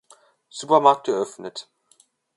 Supermarkt eröffnet.